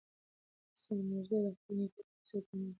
سام میرزا د خپل نیکه په وصیت ولیعهد وټاکل شو.